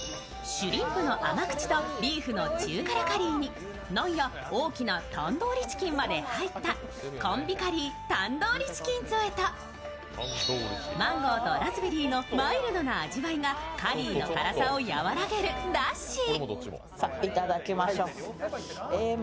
シュリンプの甘口とビーフの中辛カリーにナンや大きなタンドリーチキンまで入ったコンビカリー、タンドリーチキン添えとマンゴーとラズベリーのマイルドな味わいがカリーの辛さをやわらげるラッシー。